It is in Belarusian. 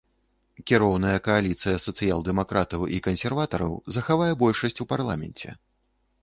Кіроўная кааліцыя сацыял-дэмакратаў і кансерватараў захавае большасць у парламенце.